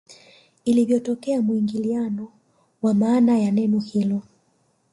Ilivyotokea muingiliano wa maana ya neno hilo